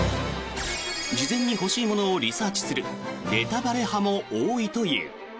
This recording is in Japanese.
事前に欲しいものをリサーチするネタバレ派も多いという。